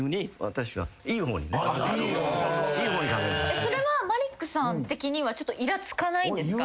それはマリックさん的にはいらつかないんですか？